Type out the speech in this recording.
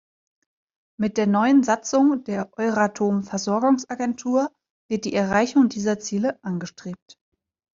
Mit der neuen Satzung der Euratom-Versorgungsagentur wird die Erreichung dieser Ziele angestrebt.